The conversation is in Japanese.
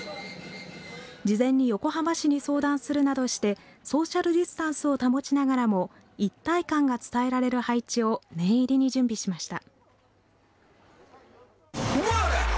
事前に横浜市に相談するなどしてソーシャルディスタンスを保ちながらも一体感が伝えられる配置を念入りに準備しました。